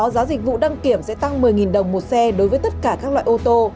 giá đăng kiểm sẽ tăng một mươi đồng một xe đối với tất cả các loại ô tô